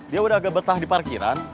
dia udah agak betah di parkiran